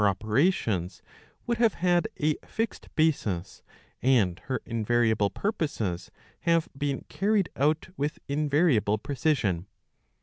operations would have had a fixed basis, and her invariable purposes have been carried out with invariable precision.